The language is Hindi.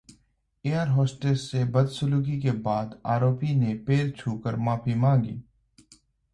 एयर होस्टेस से बदसलूकी के बाद आरोपी ने पैर छूकर मांगी माफी